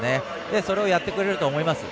それをやってくれると思います。